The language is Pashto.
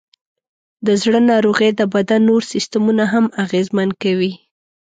د زړه ناروغۍ د بدن نور سیستمونه هم اغېزمن کوي.